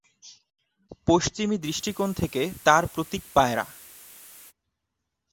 পশ্চিমী দৃষ্টিকোণ থেকে তার প্রতীক পায়রা।